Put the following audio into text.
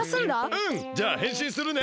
うん！じゃあへんしんするね！